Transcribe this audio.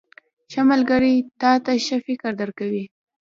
• ښه ملګری تا ته ښه فکر درکوي.